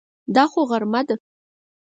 دا خو غرمه ده!